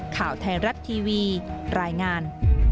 ข่าวไทยรัฐทีวีรายงาน